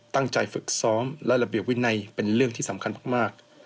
ตั้งใจฝึกซ้อมและระเบียบวินัยเป็นเรื่องที่สำคัญมาก